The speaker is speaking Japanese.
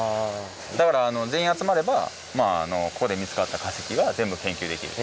だから全員集まればここで見つかった化石は全部研究できる。